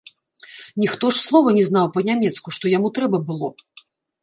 Ніхто ж слова не знаў па-нямецку, што яму трэба было.